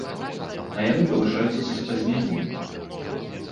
А яны павышаюцца са спазненнем.